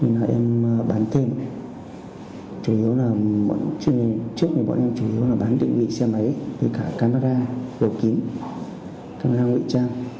nên là em bán thêm trước này bọn em chủ yếu là bán định vị xe máy camera đồ kín camera ngụy trang